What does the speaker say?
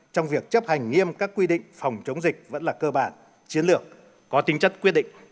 trong việc chấp hành nghiêm các quy định phòng chống dịch vẫn là cơ bản chiến lược có tính chất quyết định